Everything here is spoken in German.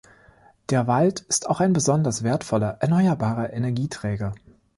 Der Wald ist auch ein besonders wertvoller erneuerbarer Energieträger.